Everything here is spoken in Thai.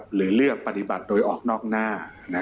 หรือเลือกปฏิบัติโดยออกนอกหน้า